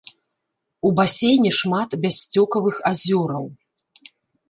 У басейне шмат бяссцёкавых азёраў.